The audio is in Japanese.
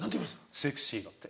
「セクシーだ」って。